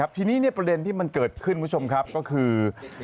ทีนี้ประเด็นที่มันเกิดขึ้นคุณผู้ชมครับก็คือ